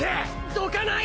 どかない！